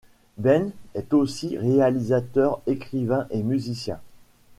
Ben est aussi réalisateur, écrivain et musicien.